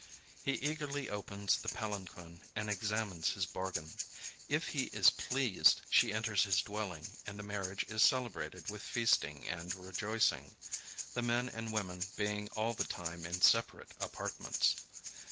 He eagerly opens the palanquin and examines his bargain. If he is pleased, she enters his dwelling, and the marriage is celebrated with feasting and rejoicing; the men and women being all the time in separate apartments.